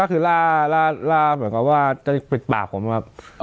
ก็คือล่าเหมือนกับว่าจะปิดปากผมครับ